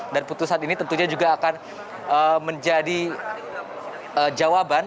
dan putusan ini tentunya juga akan menjadi jawaban